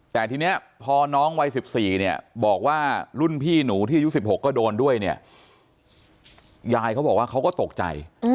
แต่ทีนี้พอน้องวัย๑๔เนี่ยบอกว่ารุ่นพี่หนูที่อายุ๑๖ก็โดนด้วยเนี่ยยายเขาบอกว่าเขาก็ตกใจ